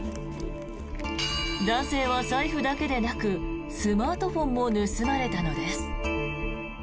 男性は財布だけでなくスマートフォンも盗まれたのです。